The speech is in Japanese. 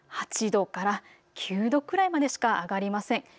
８度から９度くらいまでしか上がりません。